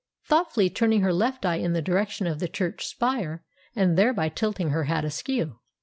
—thoughtfully turning her left eye in the direction of the church spire, and thereby tilting her hat askew.